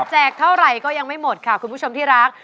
เท่าไหร่ก็ยังไม่หมดค่ะคุณผู้ชมที่รัก